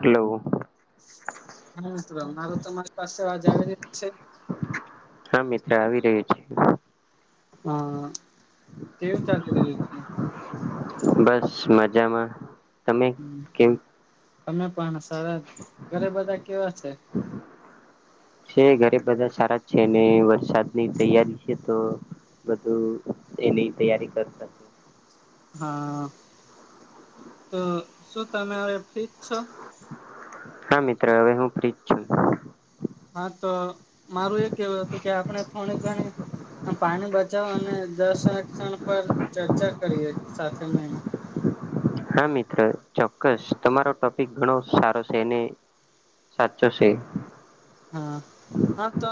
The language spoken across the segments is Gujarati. હેલો. હા મ મારે તમા મારી પાસે આજ આવેલી જ છે. હા મિત્ર આવી રહ્યો છે. હા કેવું ચાલી રહ્યું છે. બસ મજામાં તમે કેમ. અમે પણ સરા, ઘરે બધા કેવા છે. છે ઘરે બધા સારા છે, ને વરસાદની તૈયારી છે, તો બધું એની તૈયારી કરતા છે. હા તો શું તમે ફ્રીજ છો. હા મિત્રો હવે હું પ્ર્રીત છું. હા તો, મારું એ કેવું હતું કે આપણે ફણી જાણી. પાણી બચાવ અને દસ ક્ષણ પર ચર્ચા કરીએ સાથે મળને. [inaudible] હા મિત્ર ચોક્કસ તમારો ટોપિક ઘણો સારો છે. ને સાતસો છે. હા હા તો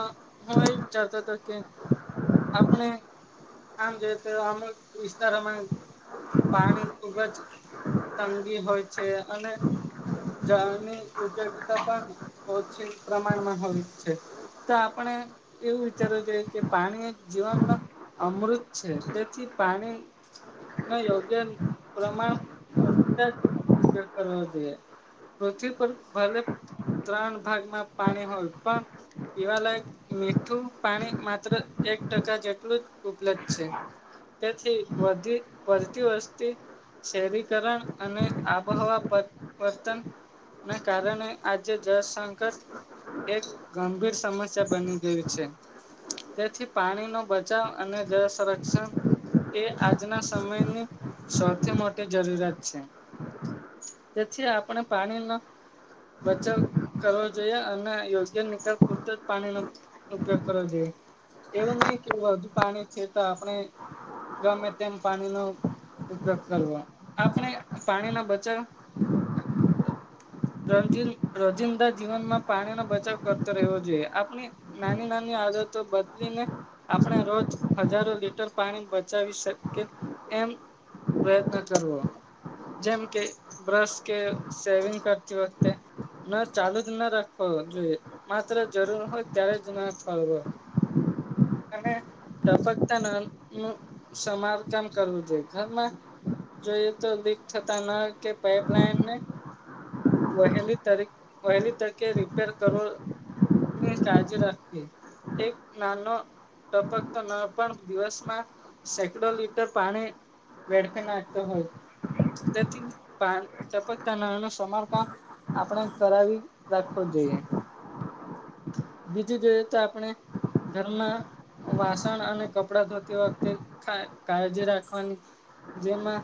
હું એ વિચારતો હતો કે આપણે. આમ જો તો અમુક વિસ્તારમાં પાણી ખુબ જ. તંગી હોય છે. અને! જળની ઉપયોગીતા પણ, ઓછી પ્રમાણમાં હોય છે. તો આપણે એવું વિચારવું જોઈએ કે પાણી જીવન અમૃત છે. તેથી. પાણી. ન યોગ્ય પ્રમાણ વિ કરવા જોઈએ. પૃથ્વી પર ભલે ત્રણ ભાગમાં. પાણી હોય પણ પીવાલાયક મીઠું પાણી માત્ર, એક ટકા જેટલું જ ઉપલબ્ધ છે. તેથી વધી વધતી વસ્તી. શહેરીકરણ અને, આબોહવા પરિવર્તન. ના કારણે આજે જળ સંકટ એક ગંભીર સમસ્યા બની ગયું છે. તેથી પાણીનોો બચાવ, અને જળ સંરક્ષણ એ આજના સમયની સૌથી મોટી જરૂરિયાત છે. તેથી આપણે પાણીનો બચાવ કરવો જોઈએ અને. યોગ્ય નિકાલ પૂરત જ પાણી, નો ઉપયોગ કરવો જોઈએ. એવું નહીિ કે વધુ પાણી છે. તો આપણે ગમે તેમ પાણીનોો ઉપયોગ કરવો, આપણે પાણીનો બચાવ ર રજીિંદા જીવનમાં પાણી નો બચાવ કરતો રહેવો જોઈએ. આપણી નાની નાની આદતો બદલીને આપણે રોજ હજારો લીટર પાણી બચાવી શકે એમ પ્રયત્ન કરવો. જેમ કે બ્રશ, કે સેવિંગ કરતી વખતે ન ચાલુ જ ના રાખ હો જોઈએ માત્ર જરૂર હોય ત્યારે જ ના ફળવો અને. ટપકતા ના નું સમારકામ કરવું જોઈએ ઘરમાં જોઈએ તો લીક થતા ન કે પાઇપલાઇન ને વહેલી તારી વહેલી તરીકે રિપેર કરો. ની કાળજી રાખતી. એક નાનો ટપક તો ન પણ દિવસમાં સેંકડો લીટર પાણી વેડફે નાખતો હોય તેપ સમા આપણે કરાવી રાખવો જોઈએ બીજું જોઈએ તો આપણે ઘરમાં વાસણ અને કપડા ધોતી વખતે કાળજી રાખવાની જેમાં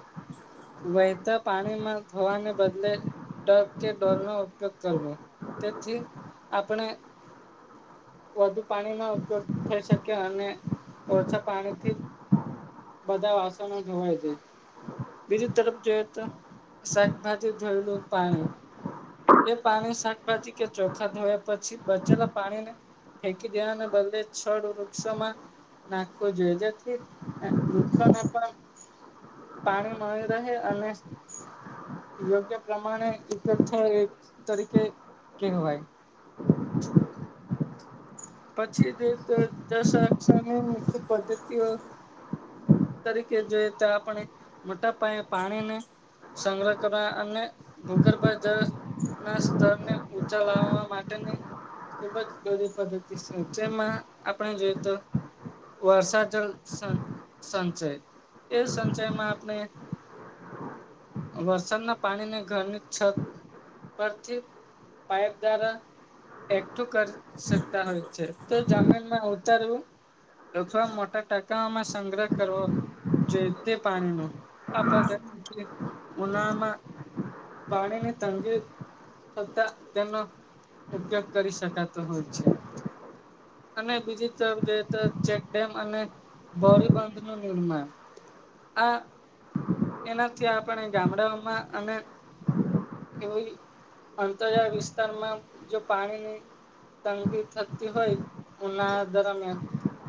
વહેતા પાણીમાં થવાને બદલે ટ કે ડોર નો ઉપયોગ કરવો તેથી આપણે વધુ પાણી ન ઉપયોગ થઈ શકે અને ઓછા પાણીથી બધા વાસણો જવાય છે બીજી તરફ જોયએ તો શાકભાજી ધોયેલું પાણી એ પાણી શાકભાજી કે ચોખા ધોયા પછી બચેલા પાણીને ફેંકી દેવાને બદલે છડ વૃક્ષોમાં નાખવું જોઈએ જેથી વૃતોને પણ પાણી મળી રહે અને યોગ્ય પ્રમાણે ઉપગ તરીકે કહેવાય પછી જે દશક્ષની મુખ્ય પદ્ધતિઓ તરીકે જોઈએ તો આપણે મોટા પાયે પાણીને સંગ્રહ કરવા અને ભૂગર્ભા જ ના સ્તરને ઊંચા લાવવા માટેની ખુબ જ બરી પદ્ધતિ જેમાં આપણે જોયએ તો વર્ષા જલ સં સંચય એ સંચયમાં આપણે વરસાદના પાણીને ઘરની છત પરથી પાપ દ્વારા એકઠું કરી હોય છે તો જમીનમાં ઉતરવું અથવા મોટા ટાકામાં સંગ્રહ કરવો જે તે પાણીનો આ પાર્થ ઉનામાં પાણીને તંગ છતાં તેનો ઉપયોગ કરી શકાતો હોય છે. અને બીજી તરફ જઈ તો ચેકડેમ અને ભોરીબંધ ન નિર્માણ. આ એનાથી આપણે ગામડાઓમાં અને એવી અંતરજળ વિસ્તારમાં જો પાણીની તંગી થતી હોય, ઉનાળા દરમિયાન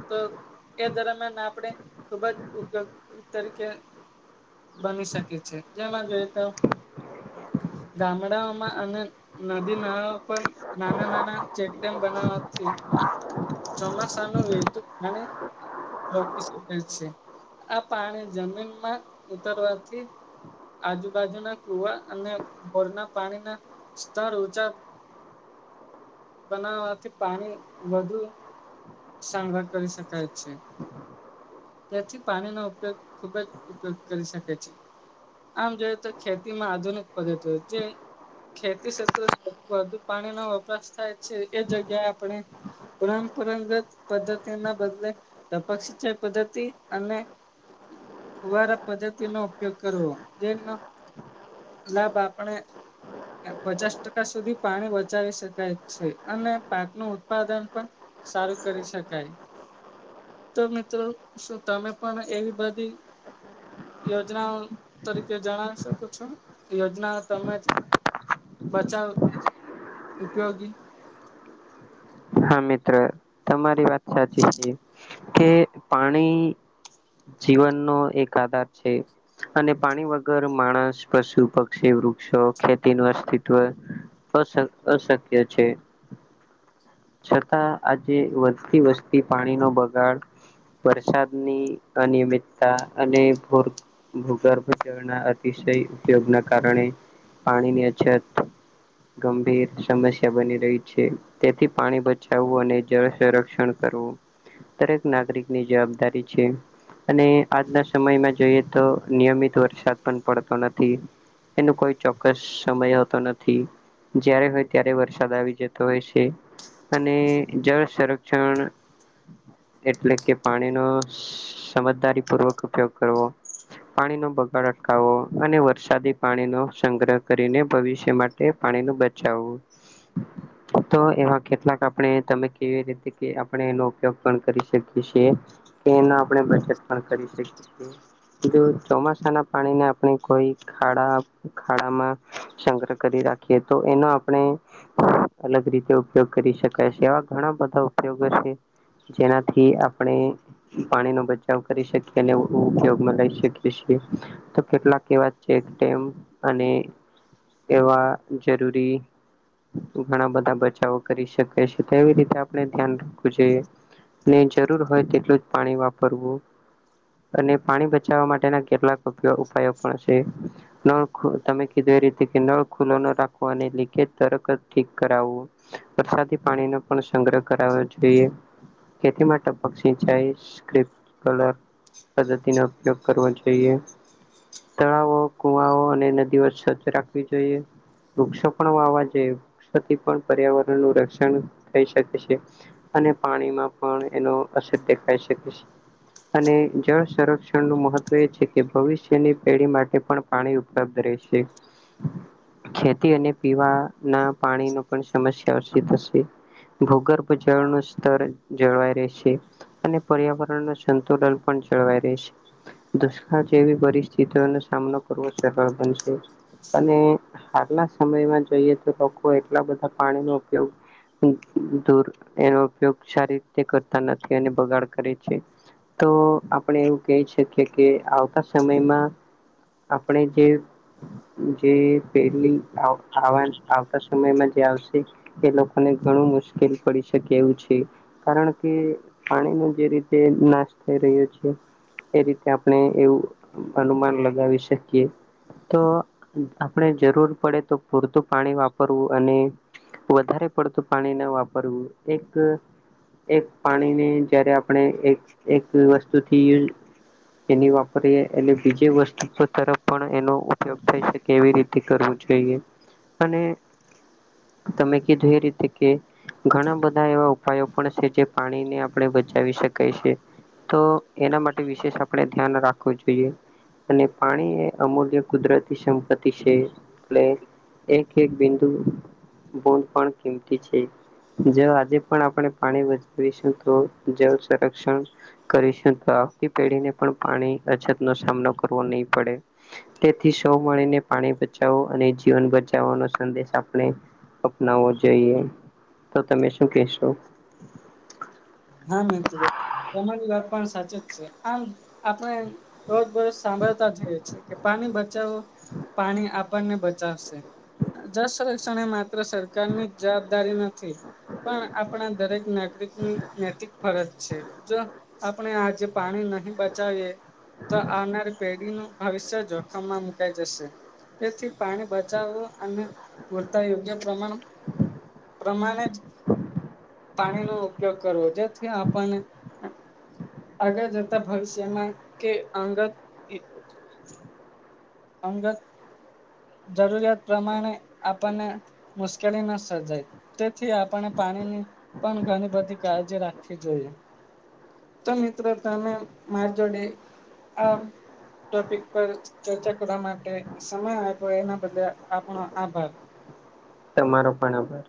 તો એ દરમિયાન આપણે ખૂબ જ ઉપયોગી તરીકે બની શકે છે. કેવા જોઈએ તો ગામડાઓમાં અને નદી નાળા પણ નાના નાના ચેકડેમ બનાવાથી ચોમાસાનું વહેતું પાણી રોકી શકે છે. આ પાણી જમીનમાં ઉતરવાથી આજુબાજુના કુવા અને ભોરના પાણીના સ્તર ંઉચા બનાવાથી પાણી વધુ સંગ્રહ કરી શકાય છે. તેથી પાણીનો ઉપયોગ ખુબ જ ઉપયોગ કરી શકે છે. આમ જોય તો ખેતીમાં આધુનિક પદ્ધતિ જે ખેતી ક્ષેત્રૌ વધુ પાણીનો વપરાશ થાય છે એ જગ્યાએ આપણે પરંપરાગત પદ્ધતિના બદલે તપક્ષ પદ્ધતિ અને ખુવારા પદ્ધતિનો ઉપયોગ કરવો જે ના, -ભા આપણે પચાસ ટકા સુધી પાણી બચાવી શકાય છે અને પાક નું ઉત્પાદન પણ સારું કરી શકાય. તો તો શું? તમે પણ એવી બધી યોજનાઓ તરીકે જણાવી શકો છો. યોજના તમે બચાવ ઉપયોગી. હા, મિત્ર તમારી વાત સાચી છે. કે, પાણી જીવનનો એક આધાર છે. અને પાણી વગર માણસ, પશુ, પક્ષી, વૃક્ષો, ખેતીનું અસ્તિત્વ અશક્ય છે. [unintelligible] છતાં આજે વધતી વસતી પાણીનો બગાડ વરસાદની અનિયમિતતા અને ભોર ભૂગર્ભ જળના અતિશય ઉપયોગના કારણે પાણીની અછત ગંભીર સમસ્યા બની રહી છે. તેથી પાણી બચાવવું અને જળ સંરક્ષણ કરવું. દરેક નાગરિકની જવાબદારી છે. અને આજના સમયમાં જોઈએ તો નિયમિત વરસાદ પણ પડતો નથી. એનો કોઈ ચોક્કસ સમય હતો નથી. જયારે હોય ત્યારે વરસાદ આવી જતો હોય છે. અને જળ સંરક્ષણ એટલે કે, પાણીનો સમજદારી પૂર્વક ઉપયોગ કરવો. પાણીનો બગાડ અટકાવો અને વરસાદી પાણીનો સંગ્રહ કરીને ભવિષ્ય માટે પાણીનું બચાવવું. તો એમાં કેટલાક આપણે તમે કેવી રીતે કે આપણે એનો ઉપયોગ પણ કરી શકીએ છીએ કે એના આપણે બચત પણ કરી શકીએ. જો ચોમાસાના પાણીને આપણે કોઈ ખાડા, ખાડામાં સંગ્રહ કરી- રાખીએ તો એનો આપણે અલગ રીતે ઉપયોગ કરી શકાય છે. એવા ઘણા બધા ઉપયોગો છે. જેનાથી આપણે પાણીનો બચાવ કરી શકીએ અને ઉપયોગમાં લઈ શકીએ છીએ. તો કેટલાક કે વાત છે અને એવા જરૂરી ઘણા બધા બચાવો. કરી શકે છેવી રીતે આપણે ધ્યાન રાખવું જોઈએ. ને જરૂર હોય તેટલું જ પાણી વાપરવું. અને પાણી બચાવવા માટેના કેટલાક ઉપાયો પણ છે. નળ તમે કીધું એ રીતે કે નળ ખુલ્લો ન રાખોને એ લીકેજ કે તરત જ ઠીક કરાવવું. વરસાદી પાણીનો પણ સંગ્રહ કરાવવો જોઈએ. ખેતી માટે ટપક સિંચાઈ પદ્ધતિ [inaudible] પદ્ધતિનો ઉપયોગ કરવો જોઈએ. તળાવો, કુવાઓ અને નદીઓ સ્વરછ રાખવી જોઈએ. વૃક્ષો પણ વાવા જોઈએ વૃક્ષથી પણ પર્યાવરણનું રક્ષણ થઈ શકે છે. અને પાણીમાં પણ એનો અસર દેખાય છે. ઠીક છે. અને જળ સંરક્ષણ નું મહત્વ એ છે કે ભવિષ્યની પેઢી માટે પણ પાણી ઉપલબ્ધ છે. [inaudible] ખેતી અને પીવાના પાણી ન પણ સમસ્યા થશે. ભૂગર્ભ જળ ન સ્તર જળવાય રહે છે. અને પર્યાવરણ ન સંતુલન પણ. [inaudible] દુષ્કાળ જેવી પરિસ્થિતિઓનો સામનો કરવો સરળ બનશે. અને હાલના સમયમાં જોઈએ તો લોકો એટલા બધા પાણીનો ઉપયોગ દૂર એનો ઉપયોગ સારી રીતે કરતા નથી અને બગાડ કરે છે. તો આપણે એવું કહી શકીએ કે આવતા સમયમાં આપણે જે જે પેરીવા [inaudible] આવતા સમયમાં જે આવશે એ લોકોને ઘણું મુશ્કેલ પડી શકે એવું છે કારણ કે પાણીનો જે રીતે નાશ થઈ રહ્યો છે. એ રીતે આપણે એવું અનુમાન લગાવી શકીએ. તો આપણે જરૂર પડે તો પૂરતું પાણી વાપરિયે. તો અને વધારે પડતું પાણી ન વાપરવું જોઈએ. એક પાણીને જયારે આપણે એક એક વસ્તુથી. એની વાપરીએ એને બીજી વસ્તુ તરફ પણ એનો ઉપયોગ થઈ શકે એવી રીતે ઉપયોગ કરવો. ઈને અને. [inaudible] તમે કીધું એ રીતે કે? ઘણા બધા એવા ઉપાયો પણ છે જે પાણીને આપણે બચાવી શકાયછે. તો એના માટે વિશેષ આપણે ધ્યાન રાખવું જોઈએ. અને પાણી એ અમૂલ્ય કુદરતી સંપત્તિ છે એટલે એક. એક. બિંદુ બોદ પણ કિંમતી છે. જ આજે પણ આપણે પાણી બચાવીશું તો જળ સંરક્ષણ કરીશકતા. આવતી પેઢી ને પણ પાણી અછત નો સામનો કરવો નહી પડે તેથી સૌ મળી ને. પાણી બચાવો અને જીવન બચાવવો. સંદેશ આપણે અપનાવવો જોઈએ. તો તમે શું કશો? [inaudible] હા મિત્રો તમારી વાત પણ સાચ જ છે. આમ આપણે? રોજ દરોજ સાંભળતા જઈએ છે કે પાણી બચાવો પાણી આપણને બચાવશે. જળ સંરક્ષણ એ માત્ર સરકારની જ જવાબદારી નથી. પણ? આપણા દરેક નાગરિકની. નૈતિક ફરજ છે. જો આપણે આજે પાણી નહી બચાવીએ? તો આવનારી પેઢી નું ભવિષ્ય જોખમમાં મુકાઈ જશે. તેથી પાણી બચાવવુ અને પૂરતા યોગ્ય પ્રમાણ. પ્રમાણે જ પાણીનો ઉપયોગ. કરો જેથી. આપને? આગળ જતા ભવિષ્યમાં કે અંગત. અંગત. જરૂરિયાત પ્રમાણે આપણને મુશ્કેલી ન સર્જાય તેથી આપણે પાણી. પાણી ની પણ ઘણી બધી કાળજી રાખવી જોઈએ. તો મિત્રો તમે મારી જોડે આ. ટોપિક પર ચર્ચા કરવા માટે સમય આપ્યો એના બદલ આપણો આભાર. તમારો પણ આભાર.